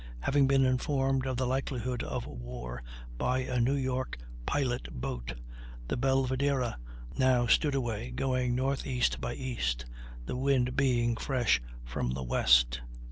Having been informed of the likelihood of war by a New York pilot boat, the Belvidera now stood away, going N. E. by E., the wind being fresh from the west.